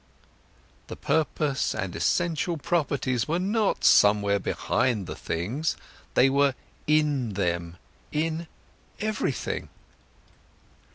The purpose and the essential properties were not somewhere behind the things, they were in them, in everything.